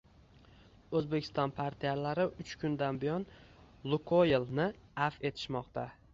O'zbekiston partiyalari uch kundan buyon "Lukoyl" ni afv etishmoqda